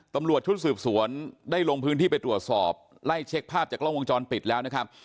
ตำรวจชุดสืบสวนได้ลงพื้นที่ไปตรวจสอบไล่เช็คภาพจากกล้องวงจรปิดแล้วนะครับ